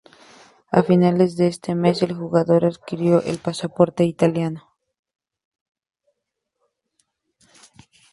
A finales de ese mes, el jugador adquirió el pasaporte italiano.